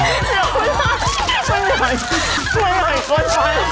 เดี๋ยวไม่ให้คนไป